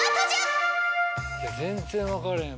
全然分かれへん。